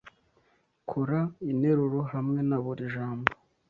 Kora interuro hamwe na buri jambo.